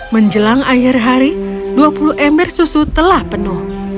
menjelang akhir hari dua puluh ember susu telah penuh